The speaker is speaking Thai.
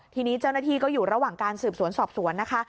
ทีนี้เจ้าหน้าที่ก็อยู่ระหว่างการสืบสวนสอบสวนนะคะ